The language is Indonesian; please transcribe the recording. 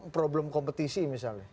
problem kompetisi misalnya